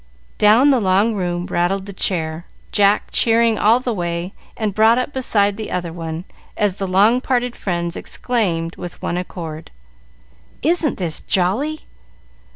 Down the long room rattled the chair, Jack cheering all the way, and brought up beside the other one, as the long parted friends exclaimed, with one accord, "Isn't this jolly!"